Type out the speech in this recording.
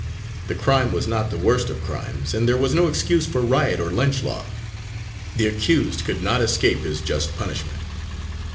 The crime was not the worst of crimes, and there was no excuse for riot or lynch law. The accused could not escape his just punishment.